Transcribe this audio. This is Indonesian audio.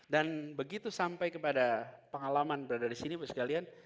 dan begitu sampai kepada pengalaman berada di sini